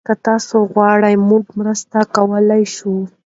که تاسي وغواړئ، موږ مرسته کولی شو.